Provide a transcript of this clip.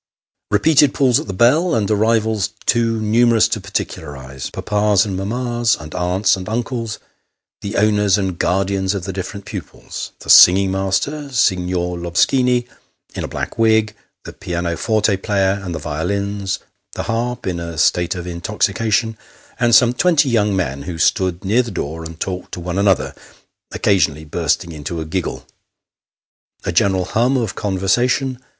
Repeated pulls at the bell, and arrivals too numerous to par ticularise : papas and mammas, and aunts and uncles, the owners and guardians of the different pupils ; the singing master, Signer Lobskini, in a black wig ; the pianoforte player and the violins ; the harp, in a state of intoxication ; and some twenty young men, who stood near the door, and talked to one another, occasionally bursting into a giggle. A general hum of conversation.